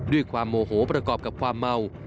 ด้วยความโมโหประกอบกับความเมา